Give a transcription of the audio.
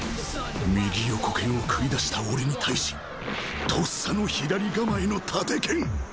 右横拳を繰り出した俺に対しとっさの左構えの縦拳。